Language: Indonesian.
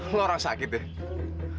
lu orang sakit deh